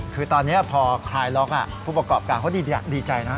คือตอนนี้พอคลายล็อกผู้ประกอบการเขาดีใจนะ